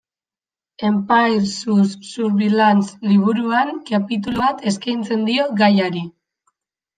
Empire sous Surveillance liburuan kapitulu bat eskaintzen dio gaiari.